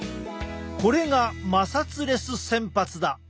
これが摩擦レス洗髪だ。